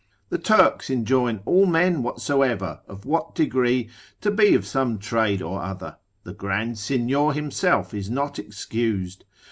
The Turks enjoin all men whatsoever, of what degree, to be of some trade or other, the Grand Signior himself is not excused.